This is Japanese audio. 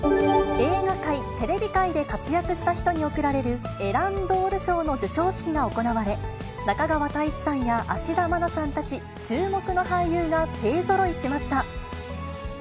映画界、テレビ界で活躍した人に贈られるエランドール賞の授賞式が行われ、中川大志さんや芦田愛菜さんたち、注目の俳優が勢ぞろいしました。